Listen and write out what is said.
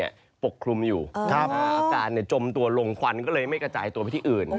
ปกคลุมอยู่อาการจมตัวลงควันก็เลยไม่กระจายตัวไปที่อื่น